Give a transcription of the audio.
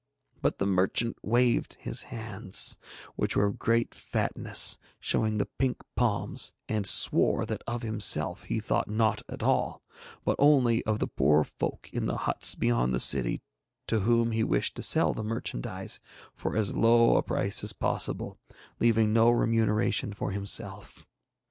But the merchant waved his hands, which were of great fatness, showing the pink palms, and swore that of himself he thought not at all, but only of the poor folk in the huts beyond the city to whom he wished to sell the merchandise for as low a price as possible, leaving no remuneration for himself.